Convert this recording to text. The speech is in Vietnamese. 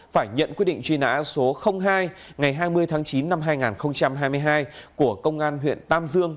phải nhận quyết định truy nã số hai ngày hai mươi tháng chín năm hai nghìn hai mươi hai của công an huyện tam dương